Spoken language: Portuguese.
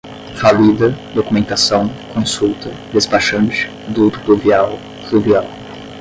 Falida, documentação, consulta, despachante, duto pluvial, fluvial